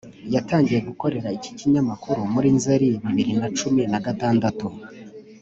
Yatangiye gukorera iki kinyamakuru muri Nzeli bibiri na cumin a gatandatu